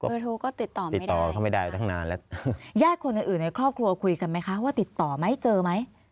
เบอร์ทูลก็ติดต่อไม่ได้ครับค่ะย่าคนอื่นในครอบครัวคุยกันไหมคะว่าติดต่อไหมเจอไหม